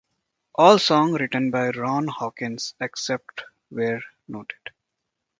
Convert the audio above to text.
All songs written by Ron Hawkins, except where noted.